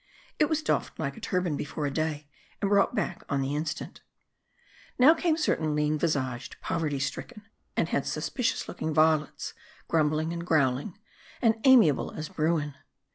It was doffed like a turban before a Dey, and brought back on the instant. 1 , MARDI. 217 Now came certain lean visaged, poverty stricken, and hence suspicious looking varlets, grumbling and growling, and amiable as Bruin.